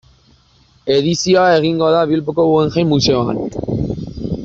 Edizioa egingo da Bilboko Guggenheim museoan.